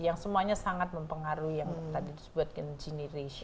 yang semuanya sangat mempengaruhi yang tadi disebutkan gini ratio